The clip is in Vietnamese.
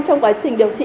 trong quá trình điều trị